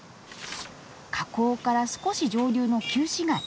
河口から少し上流の旧市街。